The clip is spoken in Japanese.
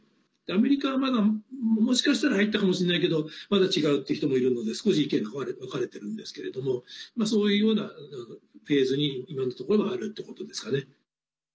アメリカは、まだもしかしたら入ったかもしれないけどまだ違うっていう人もいるので少し意見が分かれてるんですけどそういうようなフェーズに今のところあるということですかね。